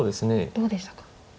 どうでしたか？